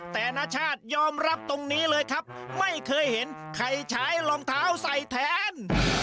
แต่นชาติยอมรับตรงนี้เลยครับไม่เคยเห็นใครใช้รองเท้าใส่แทน